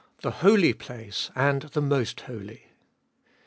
THE HOLY PLACE AND THE MOST HOLY.